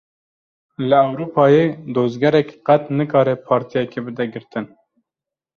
Li Ewropayê dozgerek, qet nikare partiyekê bide girtin